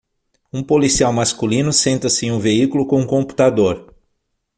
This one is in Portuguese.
Um policial masculino senta-se em um veículo com um computador.